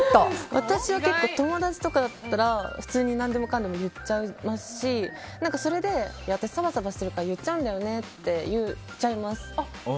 私は結構友達とかだったら何でもかんでも言っちゃいますしそれで私、サバサバしてるから言っちゃうんだよねって言っちゃいます。